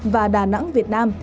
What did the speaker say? và đà nẵng việt nam